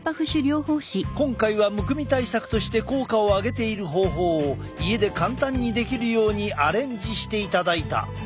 今回はむくみ対策として効果をあげている方法を家で簡単にできるようにアレンジしていただいた。